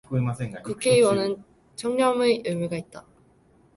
국회의원은 청렴의 의무가 있다.